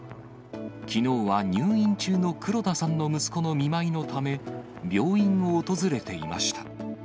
きのうは入院中の黒田さんの息子の見舞いのため、病院を訪れていました。